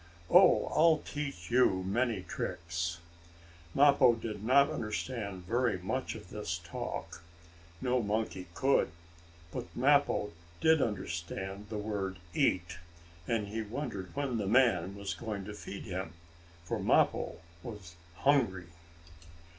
Oh, I'll teach you many tricks." Mappo did not understand very much of this talk. No monkey could. But Mappo did understand the word "eat," and he wondered when the man was going to feed him, for Mappo was hungry.